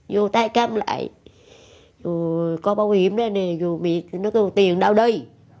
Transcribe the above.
vô tay cam lại rồi con bảo hiểm đây nè rồi mẹ nói tiền đâu đây